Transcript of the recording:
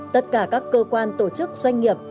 tất cả các cơ quan tổ chức doanh nghiệp